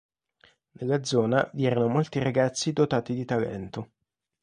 Nella zona vi erano molti ragazzi dotati di talento.